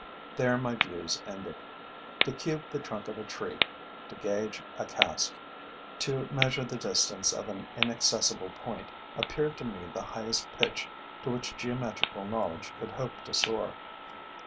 There my views ended. To cube the trunk of a tree, to gauge a cask, to measure the distance of an inaccessible point appeared to me the highest pitch to which geometrical knowledge could hope to soar.